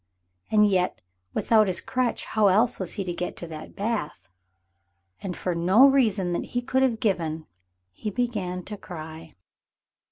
And yet without his crutch, how else was he to get to that bath? And for no reason that he could have given he began to cry.